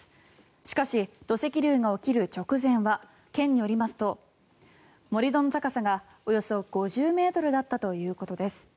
しかし、土石流が起きる直前は県によりますと盛り土の高さがおよそ５０ｍだったということです。